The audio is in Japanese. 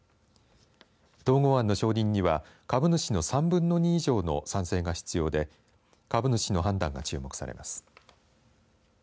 統合案の承認には株主の３分の２以上の賛成が必要で株主の判断が注目されます。